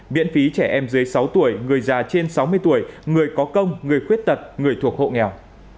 miễn phí trẻ em dưới sáu tuổi người già trên sáu mươi tuổi người có công người khuyết tật người thuộc hộ nghèo